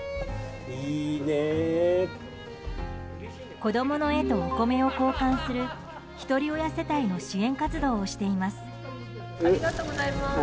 子供の絵とお米を交換するひとり親世帯の支援活動をしています。